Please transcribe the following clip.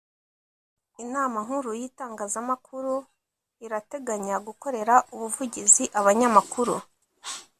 Inama Nkuru y’Itangazamakuru irateganya gukorera ubuvugizi abanyamakuru